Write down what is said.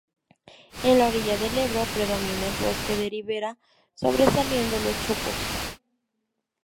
En la orilla del Ebro, predomina el bosque de ribera sobresaliendo los chopos.